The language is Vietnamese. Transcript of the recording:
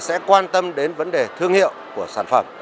sẽ quan tâm đến vấn đề thương hiệu của sản phẩm